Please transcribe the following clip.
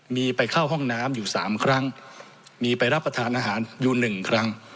มีไปเข้าห้องน้ำอยู่สามครั้งมีไปรับประทานอาหารอยู่หนึ่งครั้ง